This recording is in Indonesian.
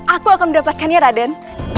aku akan mendapatkannya raden